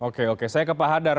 oke oke saya ke pak hadar